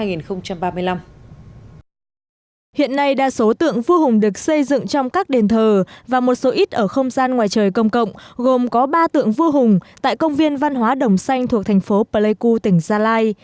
hiện nay đa số tượng vua hùng được xây dựng trong các đền thờ và một số ít ở không gian ngoài trời công cộng gồm có ba tượng vua hùng tại công viên văn hóa đồng xanh thuộc thành phố pleiku tỉnh gia lai